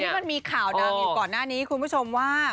มันมีข่าวดังอยู่ก่อนหน้านี้คุณผู้ชมว่า